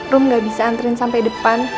rom gak bisa anterin sampe depan